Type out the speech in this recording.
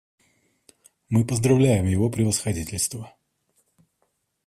Мы поздравляем Его Превосходительство.